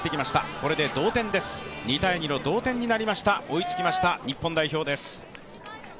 これで同点です、２−２の同点追いつきました、日本代表です。